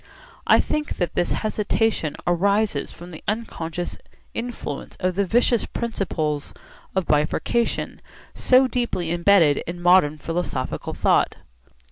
I think that this hesitation arises from the unconscious influence of the vicious principle of bifurcation, so deeply embedded in modern philosophical thought.